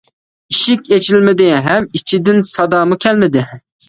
ئىشىك ئېچىلمىدى، ھەم ئىچىدىن سادامۇ كەلمىدى.